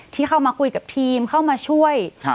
ที่เข้ามาคุยกับทีมเข้ามาช่วย